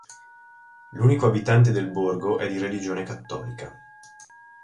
L'unico abitante del borgo è di religione cattolica.